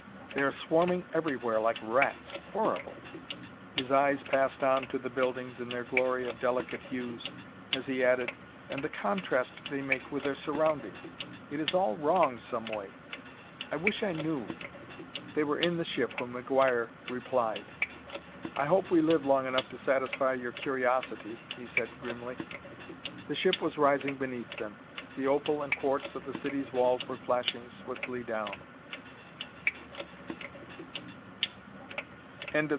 They are swarming everywhere like rats. Horrible!" His eyes passed on to the buildings in their glory of delicate hues, as he added, "And the contrast they make with their surroundings! It is all wrong some way; I wish I knew " They were in the ship when McGuire replied. "I hope we live long enough to satisfy your curiosity," he said grimly. The ship was rising beneath them; the opal and quartz of the city's walls were flashing swiftly down.